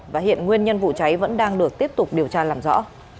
và hiện nguyên nhân vụ cháy vẫn đang được tiếp tục điều tra làm rõ